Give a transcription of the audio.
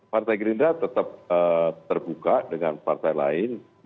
partai gerindra tetap terbuka dengan partai lain